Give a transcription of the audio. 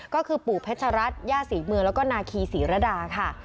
ก็คือปู่เพชรย่าศรีเมืองแล้วก็นาคีศรีระดาค่ะ